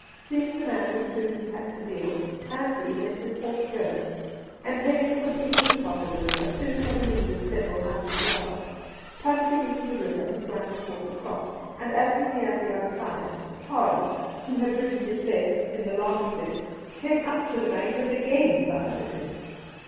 Seeing the man with whom he had to deal, Ansley let his horse go, and heading fot the deepest part of the river, soon had a lead of several hundred yards. Plunging into the river, he swam his horse across, and as he neared the other side, Hardy, who had ridden his best in the 15 226 Two Christmas Days last bit, came up to the bank and again fired at him.